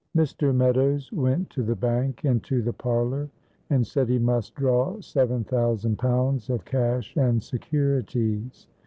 MR. MEADOWS went to the bank into the parlor and said he must draw seven thousand pounds of cash and securities.